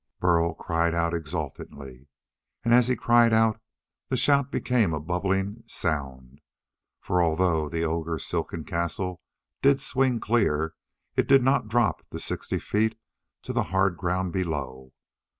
Burl cried out exultantly. And as he cried out the shout became a bubbling sound; for although the ogre's silken castle did swing clear, it did not drop the sixty feet to the hard ground below.